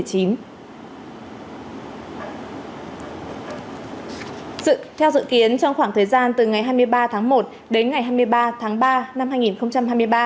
theo dự kiến trong khoảng thời gian từ ngày hai mươi ba tháng một đến ngày hai mươi ba tháng ba năm hai nghìn hai mươi ba